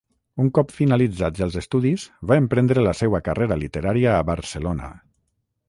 Un cop finalitzats els estudis va emprendre la seua carrera literària a Barcelona.